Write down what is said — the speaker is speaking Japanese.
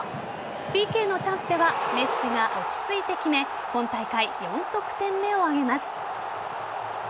ＰＫのチャンスではメッシが落ち着いて決め今大会４得点目を挙げます。